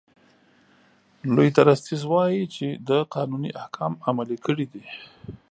لوی درستیز وایي چې ده قانوني احکام عملي کړي دي.